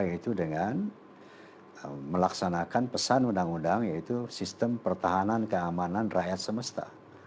yaitu dengan melaksanakan pesan undang undang yaitu sistem pertahanan keamanan rakyat semesta